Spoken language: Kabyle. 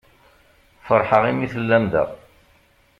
Ferḥeɣ imi tellam da.